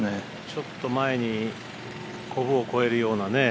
ちょっと前にこぶを越えるようなね。